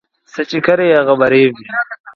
څه چې کرې هغه به ریبې